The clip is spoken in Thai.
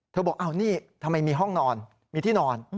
เธอบอกเอานี่ทำไมมีห้องนอนมีที่นอนอืม